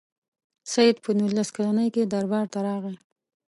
سید په نولس کلني کې دربار ته راغی.